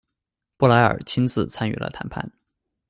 布莱尔亲自参与了谈判。